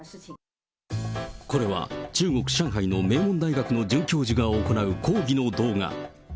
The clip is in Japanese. これは、中国・上海の名門大学の准教授が行う講義の動画。